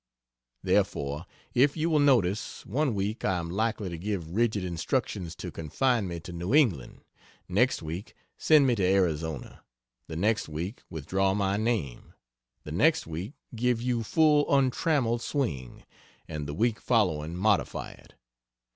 Therefore, if you will notice, one week I am likely to give rigid instructions to confine me to New England; next week, send me to Arizona; the next week withdraw my name; the next week give you full untrammelled swing; and the week following modify it.